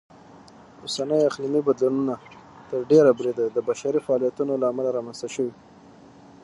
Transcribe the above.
اوسني اقلیمي بدلونونه تر ډېره بریده د بشري فعالیتونو لهامله رامنځته شوي.